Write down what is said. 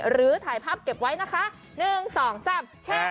หรือถ่ายภาพเก็บไว้นะคะ๑๒๓แชร์